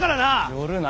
寄るな！